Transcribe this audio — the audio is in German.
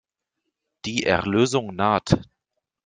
Die Erlösung naht.